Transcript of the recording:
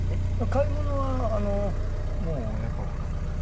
買い物はもうやっぱほら年だし。